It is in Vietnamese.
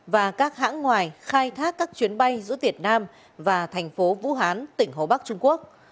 và các hãng ngoài khai thác các chuyến bay giữa việt nam và thành phố vũ hán tỉnh hồ bắc trung quốc